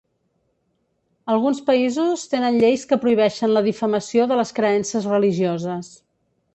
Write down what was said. Alguns països tenen lleis que prohibeixen la difamació de les creences religioses.